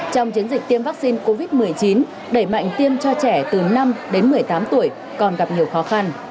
trong chiến dịch tiêm vaccine covid một mươi chín đẩy mạnh tiêm cho trẻ từ năm đến một mươi tám tuổi còn gặp nhiều khó khăn